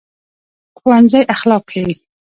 ښوونځی اخلاق ښيي